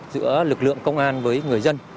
giữa lực lượng công an với người dân